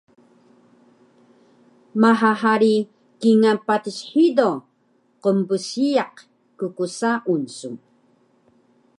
Maha hari kingal patis hido qnbsiyaq kksaun su